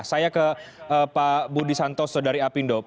saya ke pak budi santoso dari apindo